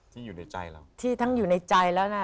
อยู่ในใจเราที่ทั้งอยู่ในใจแล้วนะ